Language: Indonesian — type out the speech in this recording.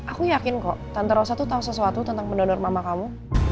aku yakin kok tante rosa tuh tahu sesuatu tentang pendonor mama kamu